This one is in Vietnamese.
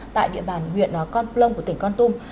tại địa bàn huyện con plong của tỉnh con tum